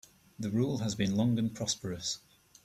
The rule has been long and prosperous.